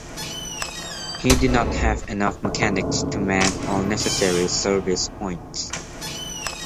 He did not have enough mechanics to man all necessary service points.